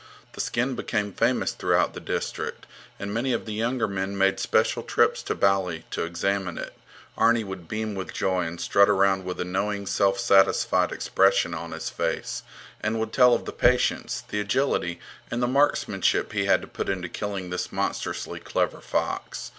The skin became famous throughout the district, and many of the younger men made special trips to Bali to examine it. Arni would beam with joy and strut around with a knowing, self satisfied expression on his face, and would tell of the patience, the agility, and the marksmanship he had to put into killing this monstrously clever fox.